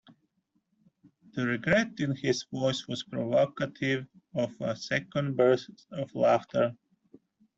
The regret in his voice was provocative of a second burst of laughter.